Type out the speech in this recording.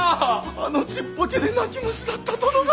あのちっぽけで泣き虫だった殿が！